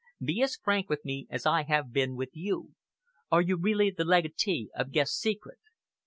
Be as frank with me as I have been with you. Are you really the legatee of Guest's secret?"